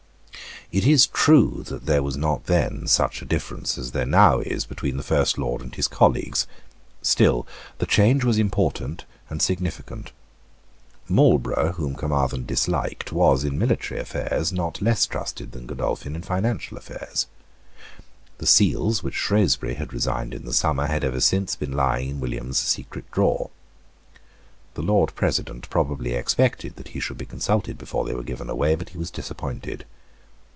It is true that there was not then such a difference as there now is between the First Lord and his colleagues. Still the change was important and significant. Marlborough, whom Caermarthen disliked, was, in military affairs, not less trusted than Godolphin in financial affairs. The seals which Shrewsbury had resigned in the summer had ever since been lying in William's secret drawer. The Lord President probably expected that he should be consulted before they were given away; but he was disappointed.